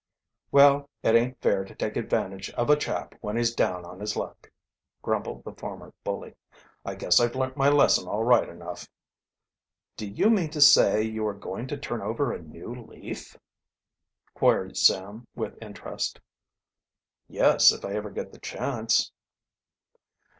"Well, it aint fair to take advantage of a chap when he's down on his luck," grumbled the former bully. "I guess I've learnt my lesson all right enough." "Do you mean to say you are going to turn over a new leaf?" queried Sam with interest. "Yes, if I ever get the chance."